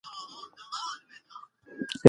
سپینه سپوږمۍ د ده مخاطبه ده.